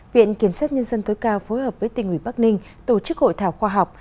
viện kiểm sát nhân dân tối cao phối hợp với tỉnh ủy bắc ninh tổ chức hội thảo khoa học